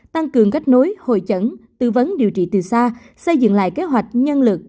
tăng cường kết nối hội chẩn tư vấn điều trị từ xa xây dựng lại kế hoạch nhân lực